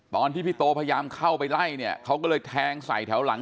ตอนที่พี่โตพยายามเข้าไปไล่เนี่ยเขาก็เลยแทงใส่แถวหลัง